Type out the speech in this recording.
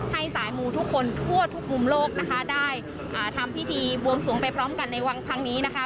ให้สายมูลทุกคนทั่วทุกกลุ่มโลกนะคะได้อ่าทำพิธีวงสวงไปพร้อมกันในทางนี้นะคะ